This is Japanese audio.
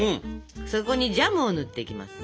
そこにジャムを塗っていきます。